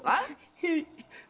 へい。